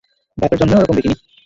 বাপের জন্মেও এরকম দেখিনি!